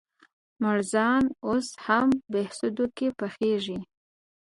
مړزان اوس هم بهسودو کې پخېږي؟